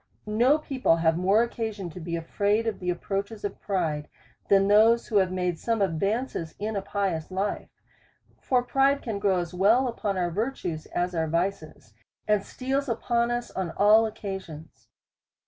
No people have more occasion to be afraid of the approaches of pride, than those who have made some advances in a pious life. For pride can grow as well upon our virtues as our vices, and steals upon us on all occasions.